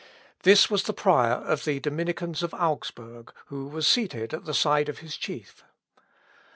This was the prior of the Dominicans of Augsburg, who was seated at the side of his chief.